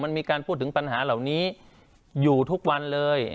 มันมีการพูดถึงปัญหาเหล่านี้อยู่ทุกวันเลย